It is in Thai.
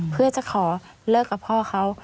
เพื่อจะขอเลิกกับพ่อเขา